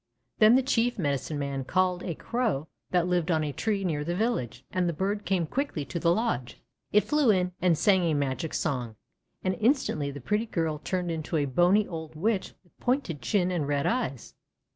Then the chief Medicine Man called a Crow that lived on a tree near the village, and the bird came quickly to the lodge. It flew in, and sang a magic song; and in stantly the pretty girl turned into a bony old Witch with pointed chin and red eyes.